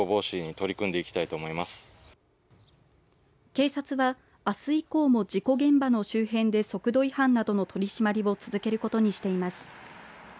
警察は、あす以降も事故現場の周辺で速度違反などの取締りを続けることにしています。